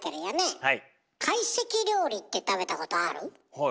はい。